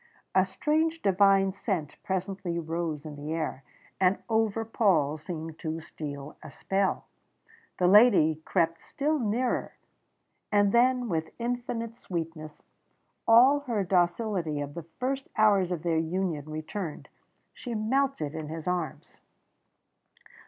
A strange divine scent presently rose in the air, and over Paul seemed to steal a spell. The lady crept still nearer, and then with infinite sweetness, all her docility of the first hours of their union returned, she melted in his arms.